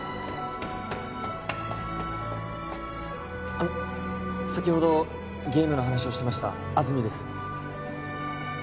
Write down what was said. あの先ほどゲームの話をしてました安積です